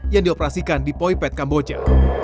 yang dioperasikan di poipet kamboja